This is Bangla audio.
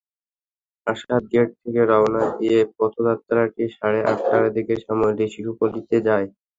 আসাদ গেট থেকে রওনা দিয়ে পদযাত্রাটি সাড়ে আটটার দিকে শ্যামলী শিশুপল্লিতে যায়।